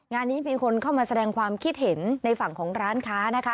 งานนี้มีคนเข้ามาแสดงความคิดเห็นในฝั่งของร้านค้านะคะ